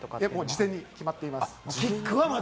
事前に決まっています。